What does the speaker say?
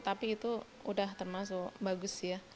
tapi itu udah termasuk bagus ya